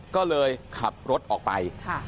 ก็เลยขับรถออกไป